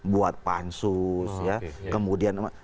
buat pansus kemudian